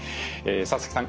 佐々木さん